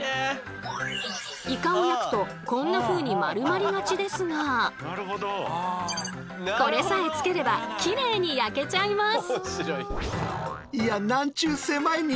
イカを焼くとこんなふうにこれさえつければきれいに焼けちゃいます。